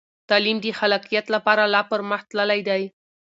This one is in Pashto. تعلیم د خلاقیت لپاره لا پرمخ تللی دی.